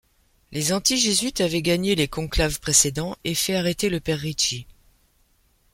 Les anti jésuites avaient gagné les conclaves précédents et fait arrêter le père Ricci.